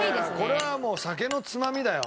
これはもう酒のつまみだよ